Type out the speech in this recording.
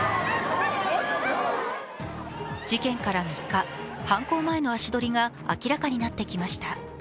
事件から３日、犯行前の足取りが明らかになってきました。